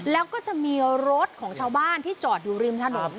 แล้วก็จะมีรถของชาวบ้านที่จอดอยู่ริมถนน